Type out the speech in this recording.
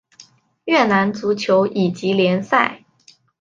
越南足球乙级联赛。